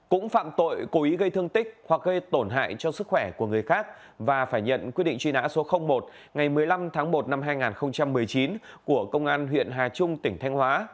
cũng phạm tội cố ý gây thương tích hoặc gây tổn hại cho sức khỏe của người khác và phải nhận quyết định truy nã số một ngày một mươi năm tháng một năm hai nghìn một mươi chín của công an huyện hà trung tỉnh thanh hóa